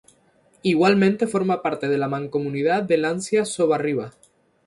Igualmente forma parte de la mancomunidad de Lancia-Sobarriba.